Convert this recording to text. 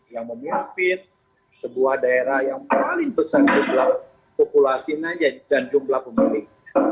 yang memimpin sebuah daerah yang paling besar jumlah populasi dan jumlah pemilih